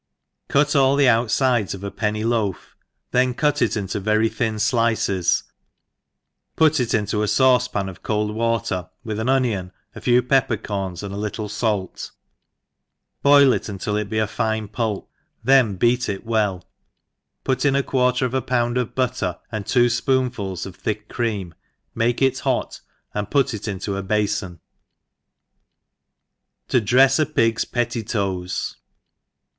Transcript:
CUT all the out0dc off a pentfy loaf^ then cut it into very thin flices, put it into a faucepan o£ cold water, :with an onion, a fe^v pepper corns, and a little fajt, boil it tintil it be a fine pulp, then beat it well, put in a quarter of a pound of butter, and t^o fpoonfuls of thick cream, make it hot, and put it into a t^afpti. \' To drefs a Pig's Pettitoes.